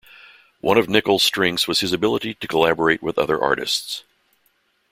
One of Nichol's strengths was his ability to collaborate with other artists.